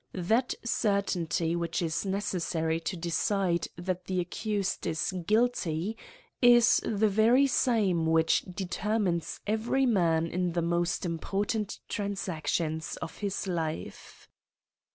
That certainty which is neciessary to decide that the accused is guilty is the very same which determines every man in the most impor^ tant transactions of his life.